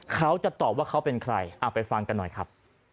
เขาจะตอบว่าเขาเป็นใครเอาไปฟังกันหน่อยครับ